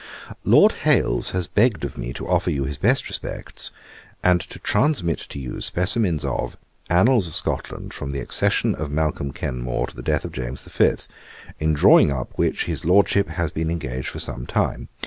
'Lord Hailes has begged of me to offer you his best respects, and to transmit to you specimens of Annals of Scotland, from the Accession of Malcolm Kenmore to the Death of James V,' in drawing up which, his Lordship has been engaged for some time.